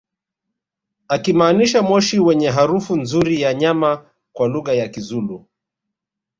akimaanisha moshi wenye harufu nzuri ya nyama kwa lugha ya kizulu